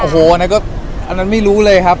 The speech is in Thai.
อ๋อโหอันนั้นไม่รู้เลยครับ